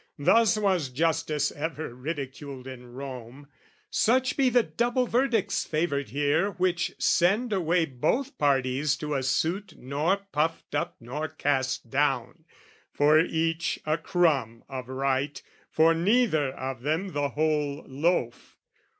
Thus Was justice ever ridiculed in Rome: Such be the double verdicts favoured here Which send away both parties to a suit Nor puffed up nor cast down, for each a crumb Of right, for neither of them the whole loaf.